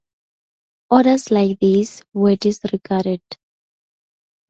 Orders like these were disregarded.